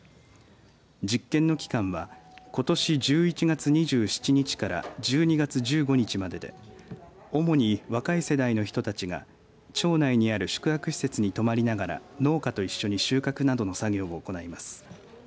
実験の期間はことし１１月２７日から１２月１５日までで主に若い世代の人たちが町内ある宿泊施設に泊まりながら農家と一緒に収穫などの作業を行います。